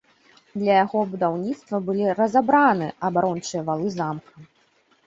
Для яго будаўніцтва былі разабраны абарончыя валы замка.